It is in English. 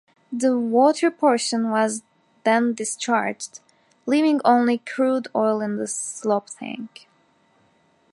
The water portion was then discharged, leaving only crude oil in the slop tank.